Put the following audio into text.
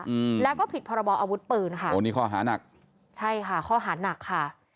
อืมแล้วก็ผิดพรบออาวุธปืนค่ะโอ้นี่ข้อหานักใช่ค่ะข้อหานักค่ะ